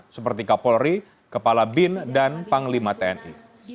seperti kapolri kepala bin dan panglima tni